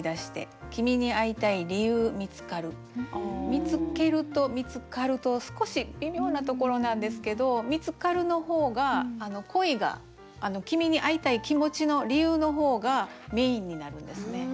「見つける」と「見つかる」と少し微妙なところなんですけど「見つかる」の方が恋が「君にいたい」気持ちの理由の方がメインになるんですね。